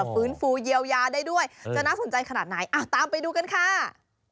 ฟื้นฟูเยียวยาได้ด้วยจะน่าสนใจขนาดไหนตามไปดูกันค่ะ